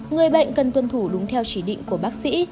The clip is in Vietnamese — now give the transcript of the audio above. người bệnh cần tuân thủ đúng theo chỉ định của bác sĩ